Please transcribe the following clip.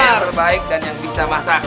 yang terbaik dan yang bisa masak